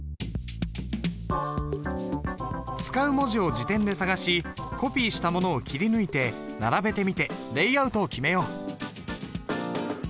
使う文字を字典で探しコピーしたものを切り抜いて並べてみてレイアウトを決めよう。